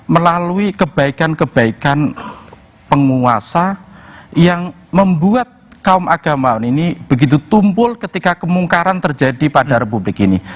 melalui kebaikan kebaikan penguasa yang membuat kaum agamawan ini begitu tumpul ketika kemungkaran terjadi pada republik ini